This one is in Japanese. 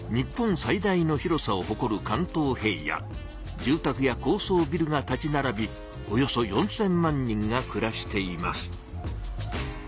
住たくや高そうビルが立ちならびおよそ４，０００万人がくらしています。